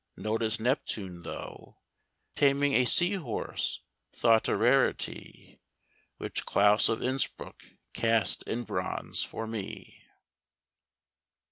Notice Neptune, though, Taming a sea horse, thought a rarity, Which Claus of Innsbruck cast in bronze for me!